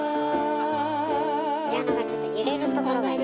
ピアノがちょっと揺れるところがいい。